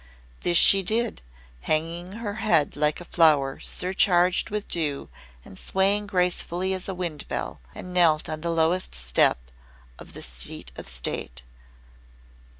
This she did, hanging her head like a flower surcharged with dew and swaying gracefully as a wind bell, and knelt on the lowest step of the Seat of State.